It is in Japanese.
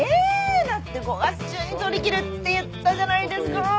だって５月中に撮り切るって言ったじゃないですか。